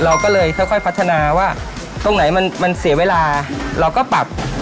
เราก็เลยค่อยพัฒนาว่าตรงไหนมันเสียเวลาเราก็ปรับ